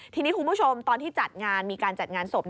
ทีนี้คุณผู้ชมตอนที่จัดงานมีการจัดงานศพ